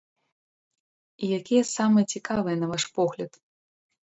І якія самыя цікавыя на ваш погляд?